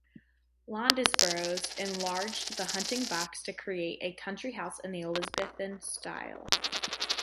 Londesborough enlarged the hunting box to create a country house in the Elizabethan style.